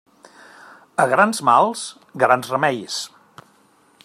A grans mals, grans remeis.